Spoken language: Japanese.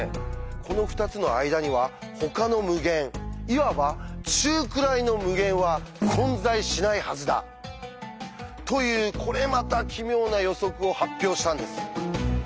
この２つの間にはほかの無限いわば「中くらいの無限」は存在しないはずだ！というこれまた奇妙な予測を発表したんです。